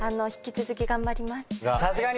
引き続き頑張ります。